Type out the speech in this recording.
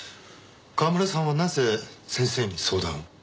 川村さんはなぜ先生に相談を？